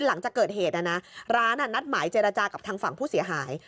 หลังจากเกิดเหตุร้านนัดหมายเจรจากับทางฝั่งผู้เสียหาย